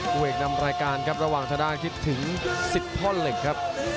ผู้เอกนำรายการครับระหว่างทางด้านคิดถึง๑๐ท่อนเหล็กครับ